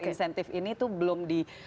insentif ini tuh belum